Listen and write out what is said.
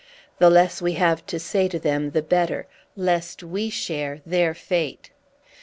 The less we have to say to them the better, lest we share their fate!